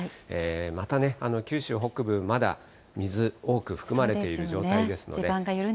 またね、九州北部、まだ水、多く含まれている状態ですので。